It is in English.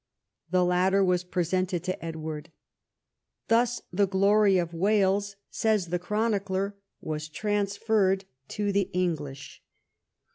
The latter was presented to Edward. "Thus the glory of AVales," says the chronicler, "was transferred to the English."